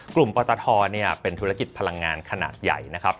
ปตทเป็นธุรกิจพลังงานขนาดใหญ่นะครับ